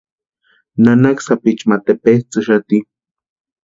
Nanaka sapichu ma tepetsʼïxati.